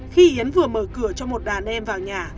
khi yến vừa mở cửa cho một đàn em vào nhà